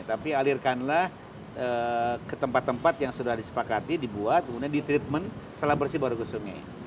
tapi alirkanlah ke tempat tempat yang sudah disepakati dibuat kemudian di treatment setelah bersih baru ke sungai